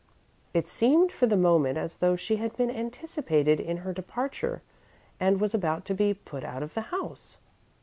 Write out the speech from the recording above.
It seemed for the moment as though she had been anticipated in her departure and was about to be put out of the house.